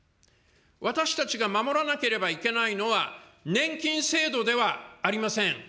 私たちが守らなければいけないのは、年金制度ではありません。